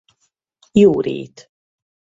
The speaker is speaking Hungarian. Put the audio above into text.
Jó rét.